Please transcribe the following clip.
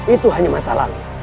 itu hanya masalah